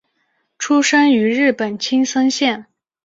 出身于日本青森县。